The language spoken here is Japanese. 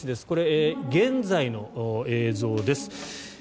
これ、現在の映像です。